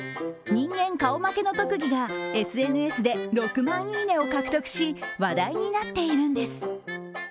人間顔負けの特技がＳＮＳで６万いいねを獲得し話題になっているんです。